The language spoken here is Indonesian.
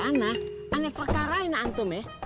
si ana aneh perkara ini antum ya